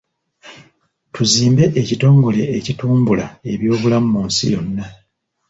Tuzimbye ekitongole ekitumbula eby'obulamu mu nsi yonna.